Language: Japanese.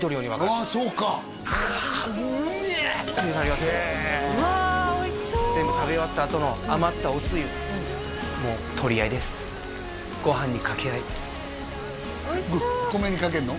おいしそう全部食べ終わったあとの余ったおつゆもう取り合いですご飯にかけ合いおいしそう米にかけんの？